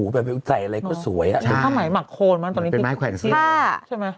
แบบใจอะไรก็สวยเป็นไม้แขวงซื้อใช่ไหม